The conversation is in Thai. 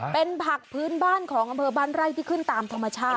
เป็นผักพื้นบ้านของอำเภอบ้านไร่ที่ขึ้นตามธรรมชาติ